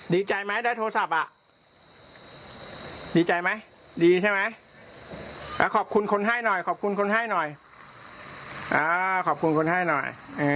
ดีใจไหมได้โทรศัพท์อ่ะดีใจไหมดีใช่ไหมขอบคุณคนให้หน่อยขอบคุณคนให้หน่อยขอบคุณคนให้หน่อย